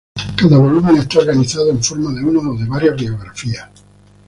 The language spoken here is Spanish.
Cada volumen está organizado en forma de una o varias biografías.